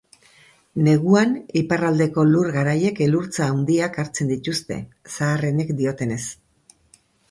Neguan iparraldeko lur garaiek elurtza handiak hartzen dituzte, zaharrenek diotenez.